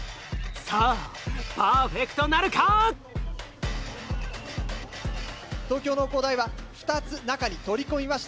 さあパーフェクトなるか⁉東京農工大は２つ中に取り込みました。